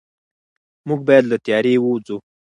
موږ باید له تیارې ووځو.